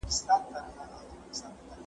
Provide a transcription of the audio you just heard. که سیند وي نو اوبه نه وچیږي.